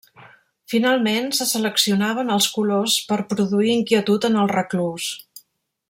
Finalment, se seleccionaven els colors per produir inquietud en el reclús.